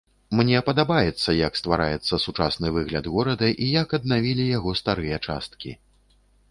Мне падабаецца, як ствараецца сучасны выгляд горада і як аднавілі яго старыя часткі.